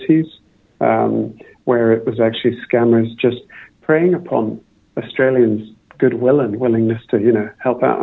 penipuan amal palsu ini hanya berdoa kepada kebenaran dan kebenaran orang australia untuk membantu teman teman